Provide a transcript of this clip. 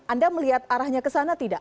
anda melihat arahnya ke sana tidak